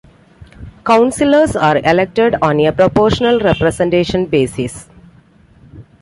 Councillors are elected on a proportional representation basis.